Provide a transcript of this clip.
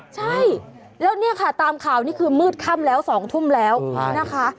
ใช่แล้วเนี่ยค่ะตามข่าวนี่คือมืดค่ำแล้ว๒ทุ่มแล้วนะคะ